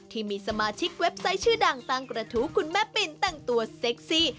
ที่มีสมาชิกเว็บไซต์ชื่อดังตั้งกระทู้คุณแม่ปินแต่งตัวเซ็กซี่